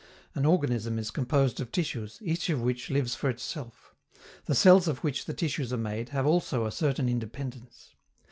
An organism is composed of tissues, each of which lives for itself. The cells of which the tissues are made have also a certain independence.